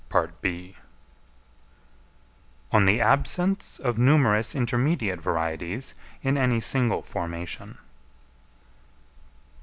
_On the Absence of Numerous Intermediate Varieties in any Single Formation.